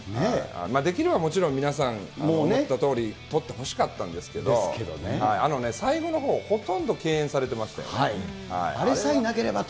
できればもちろん皆さん、思ったとおり取ってほしかったんですけれども、最後のほう、あれさえなければと。